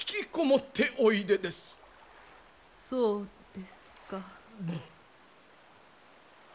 そうですか。